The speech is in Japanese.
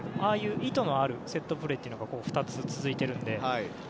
ああいう、意図のあるセットプレーが２つ続いているので。